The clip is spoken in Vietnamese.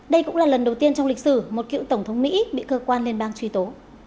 đây cũng là lần đầu tiên trong lịch sử một cựu tổng thống mỹ bị cơ quan liên bang truy tố